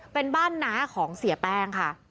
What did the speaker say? เป็นบ้านน้าของเสียแป้งค่ะ